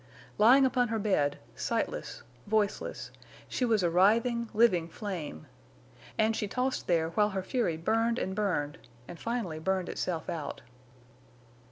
Lying upon her bed, sightless, voiceless, she was a writhing, living flame. And she tossed there while her fury burned and burned, and finally burned itself out.